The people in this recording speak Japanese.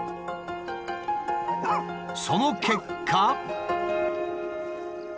その結果。